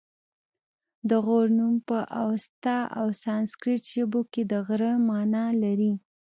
د غور نوم په اوستا او سنسګریت ژبو کې د غره مانا لري